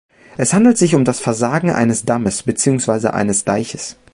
Es handelt sich um das Versagen eines Dammes beziehungsweise eines Deiches.